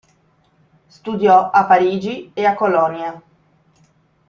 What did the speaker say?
Studiò a Parigi e a Colonia.